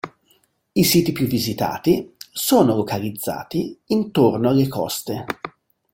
I siti più visitati sono localizzati intorno alle coste.